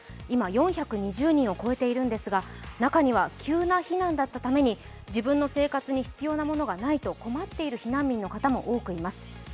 今４２０人を超えているんですが、中には急な避難だったために自分の生活に必要なものがないと困っている避難民の方も多くいます。